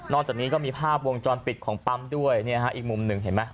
จากนี้ก็มีภาพวงจรปิดของปั๊มด้วยเนี่ยฮะอีกมุมหนึ่งเห็นไหม